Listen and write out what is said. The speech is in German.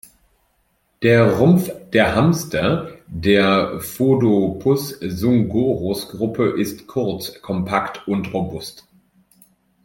Der Rumpf der Hamster der "Phodopus-sungorus"-Gruppe ist kurz, kompakt und robust.